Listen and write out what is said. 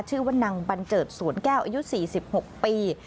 ชื่อว่านางบันเจิดสวนแก้วอายุสี่สิบหกปี